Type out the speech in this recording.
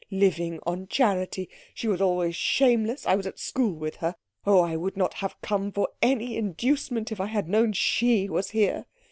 " living on charity she was always shameless I was at school with her. Oh, I would not have come for any inducement if I had known she was here!